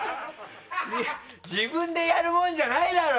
自分でやるもんじゃないだろ！